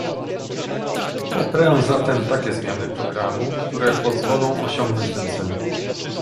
Poprę zatem takie zmiany programu, które pozwolą osiągnąć ten cel